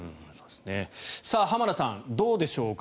浜田さん、どうでしょうか。